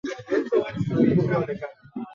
Katika hospitali ya Cedars of Lebanon huko mjini Miami